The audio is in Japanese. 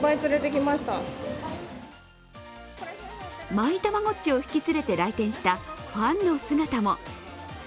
マイたまごっちを引き連れて来店したファンの姿も。